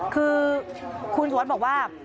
คือคุณสุวัสดิ์บอกว่า